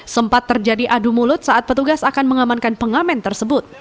sempat terjadi adu mulut saat petugas akan mengamankan pengamen tersebut